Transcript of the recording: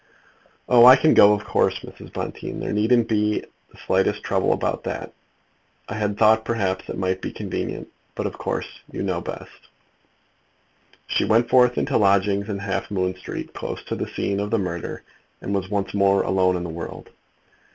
"Oh, I can go, of course, Mrs. Bonteen. There needn't be the slightest trouble about that. I had thought perhaps it might be convenient; but of course you know best." She went forth into lodgings in Half Moon Street, close to the scene of the murder, and was once more alone in the world.